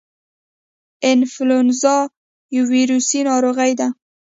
انفلونزا یو ویروسي ناروغي ده